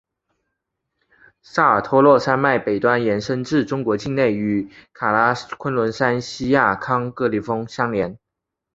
萨尔托洛山脉北端延伸至中国境内与喀喇昆仑山锡亚康戈里峰相连。